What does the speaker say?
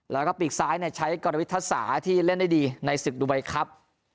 แล้วก็ปีกซ้ายใช้กรวิทยาที่เล่นได้ดีในศึกดูไบครับ